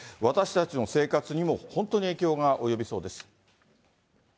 私たちの生活にも、本当に影響が及びそうです。